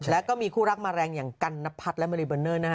และก็มีคู่รักมาแรงกัฬนัพัดแมร์ฟรีเบอร์เนอร์นะฮะ